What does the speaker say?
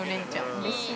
うれしい。